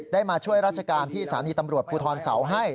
มาช่วยราชการที่สถานีตำรวจภูทรเสาให้